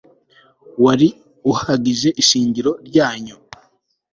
wari uhagije ishingiro ryanyu